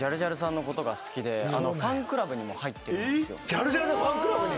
ジャルジャルのファンクラブに？